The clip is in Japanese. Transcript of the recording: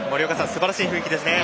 すばらしい雰囲気ですね。